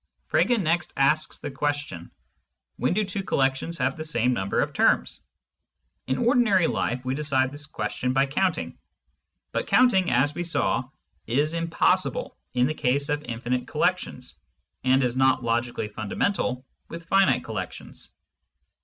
Frege next asks the question : When do two collections have the same number of terms ? In ordinary life, we decide this question by counting ; but counting, as we saw, is impossible in the case of infinite collections, and is not logically fundamental with finite collections.